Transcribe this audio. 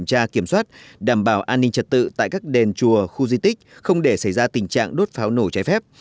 các băng nhóm tội phạm đã được kiểm tra kiểm soát đảm bảo an ninh trật tự tại các đền chùa khu di tích không để xảy ra tình trạng đốt pháo nổ trái phép